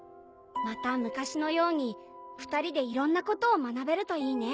また昔のように２人でいろんなことを学べるといいね。